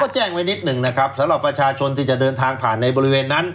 แจ้งไว้นิดหนึ่งนะครับสำหรับประชาชนที่จะเดินทางผ่านในบริเวณนั้น